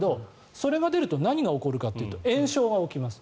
それが出ると何が起こるかというと炎症が起きます。